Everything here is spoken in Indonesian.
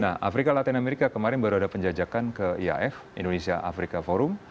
nah afrika laten amerika kemarin baru ada penjajakan ke iaf indonesia afrika forum